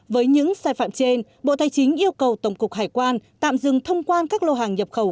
với những sai phạm trên bộ tài chính yêu cầu tổng cục hải quan tạm dừng thông quan các lô hàng nhập khẩu